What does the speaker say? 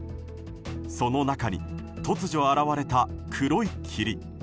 その中に突如、現れた黒い霧。